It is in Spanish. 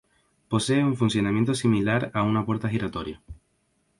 Posee un funcionamiento similar a una puerta giratoria.